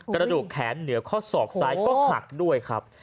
กระดูกแขนเหนือข้อศอกซ้ายก็หักด้วยครับ